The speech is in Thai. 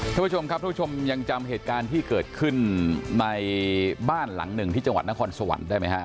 ท่านผู้ชมครับทุกผู้ชมยังจำเหตุการณ์ที่เกิดขึ้นในบ้านหลังหนึ่งที่จังหวัดนครสวรรค์ได้ไหมฮะ